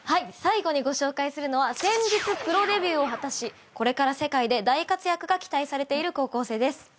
最後にご紹介するのは先日プロデビューを果たしこれから世界で大活躍が期待されている高校生です。